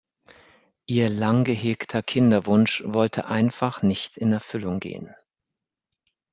Ihr lang gehegter Kinderwunsch wollte einfach nicht in Erfüllung gehen.